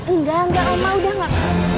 enggak enggak oma udah nggak